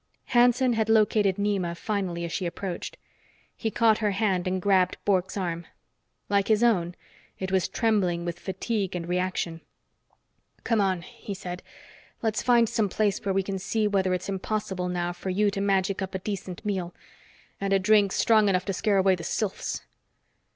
Hanson had located Nema finally as she approached. He caught her hand and grabbed Bork's arm. Like his own, it was trembling with fatigue and reaction. "Come on," he said. "Let's find some place where we can see whether it's impossible now for you to magic up a decent meal. And a drink strong enough to scare away the sylphs."